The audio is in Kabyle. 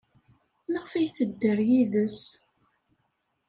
Maɣef ay tedder yid-s?